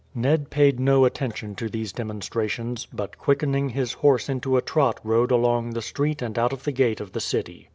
Ned paid no attention to these demonstrations, but quickening his horse into a trot rode along the street and out of the gate of the city.